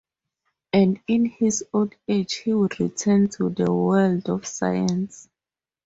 And in his old age he would return to the world of science.